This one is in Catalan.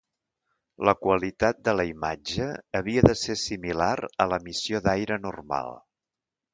La qualitat de la imatge havia de ser similar a l'emissió d'aire normal.